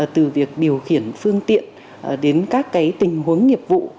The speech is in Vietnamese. từ việc điều khiển phương tiện đến các tình huống nghiệp vụ